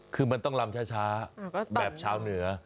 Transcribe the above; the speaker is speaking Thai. คือมันต้องลำช้าแบบชาวเหนือ